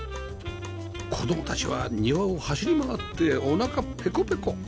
子供たちは庭を走り回っておなかペコペコ